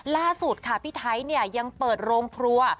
ล่าสุดค่ะพี่ไทยเนี่ยยังเปิดโรงครัว